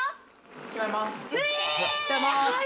違います。